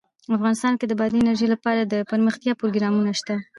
افغانستان کې د بادي انرژي لپاره دپرمختیا پروګرامونه شته.